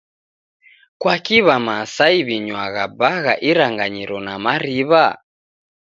Kwaki W'aMasai w'inywagha bagha iranganyiro na mariw'a?